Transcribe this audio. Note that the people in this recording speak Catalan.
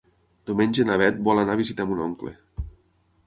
Diumenge na Beth vol anar a visitar mon oncle.